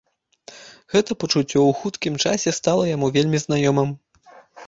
Гэтае пачуццё ў хуткім часе стала яму вельмі знаёмым.